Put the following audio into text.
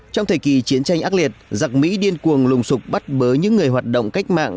trong thời kỳ chiến tranh ác liệt giặc mỹ điên cuồng lùng sụp bắt bớ những người hoạt động cách mạng